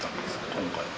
今回。